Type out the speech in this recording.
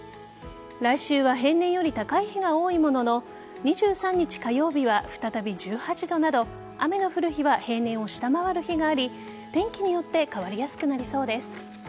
来週は平年より高い日が多いものの２３日火曜日は再び１８度など雨の降る日は平年を下回る日があり天気によって変わりやすくなりそうです。